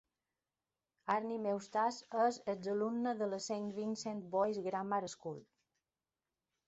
Arnhim Eustace és exalumne de la Saint Vincent Boys' Grammar School.